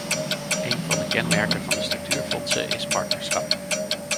Een van de kenmerken van de structuurfondsen is partnerschap.